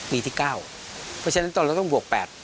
เพราะฉะนั้นตอนนี้ต้องบวก๘